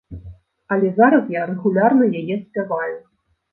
Але зараз я рэгулярна яе спяваю.